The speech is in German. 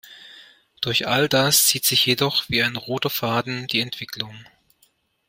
Durch all das zieht sich jedoch wie ein roter Faden die Entwicklung.